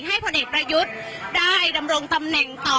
ผลเอกประยุทธ์ได้ดำรงตำแหน่งต่อ